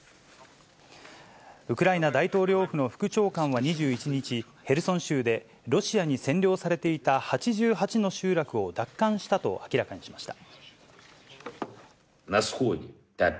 ウクライナ大統領府の副長官は２１日、ヘルソン州でロシアに占領されていた８８の集落を奪還したと明らかにしました。